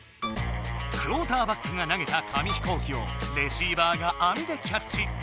クオーターバックが投げた紙飛行機をレシーバーがあみでキャッチ。